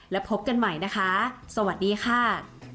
แล้วพบกันใหม่นะคะสวัสดีค่ะ